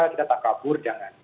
kita tak kabur jangan